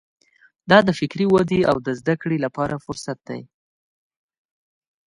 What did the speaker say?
دا د فکري ودې او زده کړې لپاره فرصت دی.